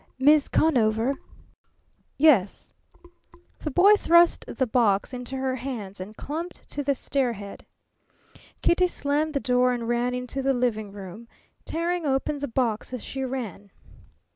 "Miz Conover?" "Yes." The boy thrust the box into her hands and clumped to the stairhead. Kitty slammed the door and ran into the living room, tearing open the box as she ran.